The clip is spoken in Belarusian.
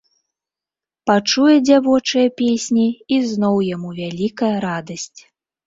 Пачуе дзявочыя песні, і зноў яму вялікая радасць.